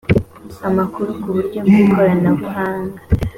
amakuru ku buryo bw ikoranabuhanga